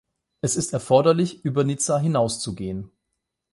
Es ist erforderlich, über Nizza hinauszugehen.